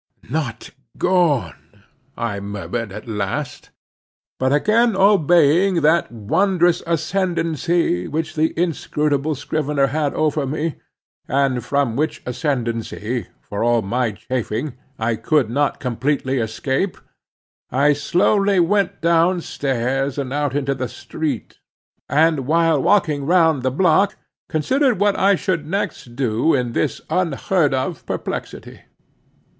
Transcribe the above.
"Not gone!" I murmured at last. But again obeying that wondrous ascendancy which the inscrutable scrivener had over me, and from which ascendancy, for all my chafing, I could not completely escape, I slowly went down stairs and out into the street, and while walking round the block, considered what I should next do in this unheard of perplexity.